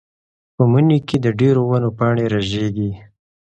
په مني کې د ډېرو ونو پاڼې رژېږي.